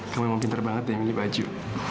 kamu memang pintar banget yang milih baju